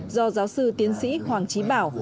do giáo sư tiến sĩ hoàng trí bảo